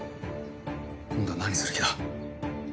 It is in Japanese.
今度は何する気だ？